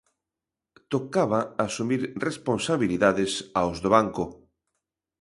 Tocaba asumir responsabilidades aos do banco.